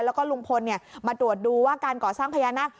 แล้วก็ลุงพลมาตรวจดูว่าการก่อสร้างพญานาค